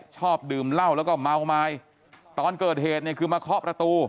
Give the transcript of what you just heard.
ชอบดื่มเหล้าแล้วก็เมาไม้ตอนเกิดเหตุเนี่ยคือมาเคาะประตู